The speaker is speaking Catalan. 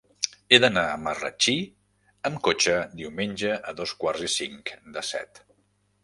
He d'anar a Marratxí amb cotxe diumenge a dos quarts i cinc de set.